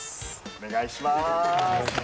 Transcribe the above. お願いします。